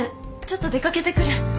ちょっと出掛けてくる。